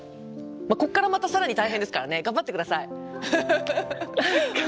ここからまた更に大変ですからね頑張って下さい。